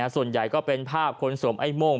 ส่วนใหญ่ก็เป็นภาพคนสวมไอ้โม่ง